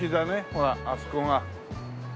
ほらあそこが。